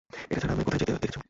এটা ছাড়া আমায় কোথাও যেতে দেখেছো?